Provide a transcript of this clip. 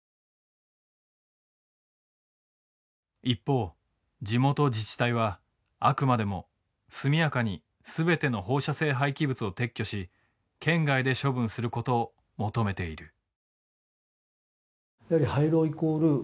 一方地元自治体はあくまでも速やかに全ての放射性廃棄物を撤去し県外で処分することを求めている。